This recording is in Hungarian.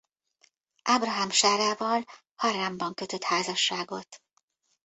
Ábrahám Sárával Harránban kötött házasságot.